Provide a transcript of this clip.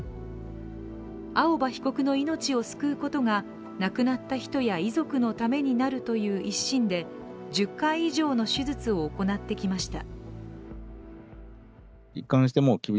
青葉被告の命を救うことが亡くなった人や遺族のためになるという一心で１０回以上の手術を行ってきました。